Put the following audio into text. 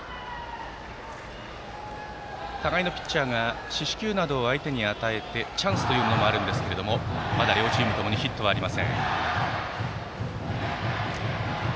互いのピッチャーが四死球などを相手に与えてチャンスというのもあるんですがまだ両チームともにヒットはありません。